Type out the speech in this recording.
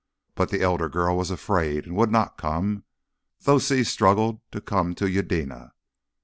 But the elder girl was afraid and would not come, though Si struggled to come to Eudena.